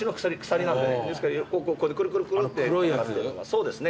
そうですね。